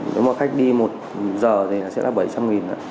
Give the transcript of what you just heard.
nếu mà khách đi một giờ thì sẽ là bảy trăm linh nghìn